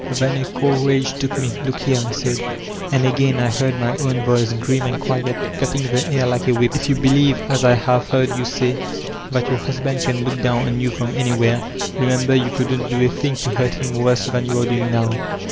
Then a cold rage took me: "Look here," I said (and again I heard my own voice, grim and quiet, cutting the air like a whip), "if you believe, as I have heard you say, thai your husband can look down on you from anywhere, re member you couldn't do a thing to hurt him worse tliaa you're doing now.